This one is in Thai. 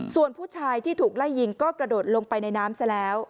ส่วนผู้ชายที่ถูกไล่ยิงก็กระโดดลงไปในน้ำซะแล้ว